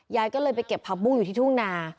ยายก็เลยไปเก็บผักบุ้งอยู่ที่ทุ่งนา